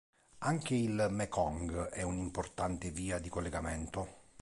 Anche il Mekong è un'importante via di collegamento.